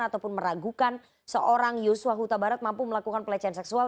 ataupun meragukan seorang yusua huta barat mampu melakukan pelecehan seksual